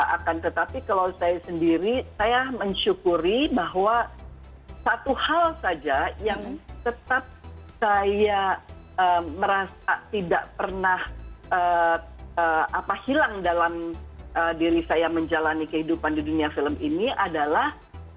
akan tetapi kalau saya sendiri saya mensyukuri bahwa satu hal saja yang tetap saya merasa tidak pernah hilang dalam diri saya menjalani kehidupan di dunia film ini adalah